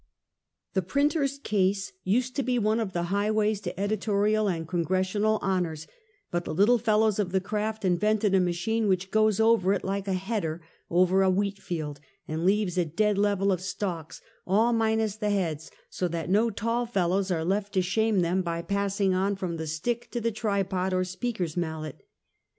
The printer's case used to be one of the highways to editorial and congressional honors; but the little fel lows of the craft invented a machine which goes over it like a " header " over a wheat field and leaves a dead level of stalks, all minus the heads, so that no tall fel lows are left to shame them by passing on from the " stick " to the tripod or speaker's mallet.